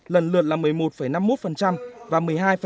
lần lượt là một mươi một năm mươi một và một mươi hai